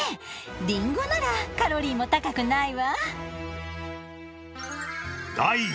りんごならカロリーも高くないわ。